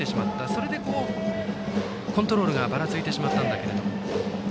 それでコントロールがばらついてしまったと。